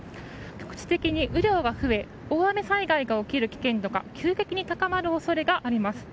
局地的に雨量が増え大雨災害が起きる危険度が急激に高まる恐れがあります。